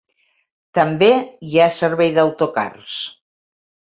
També hi ha servei d'autocars.